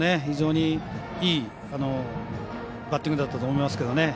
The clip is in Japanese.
非常にいいバッティングだったと思います。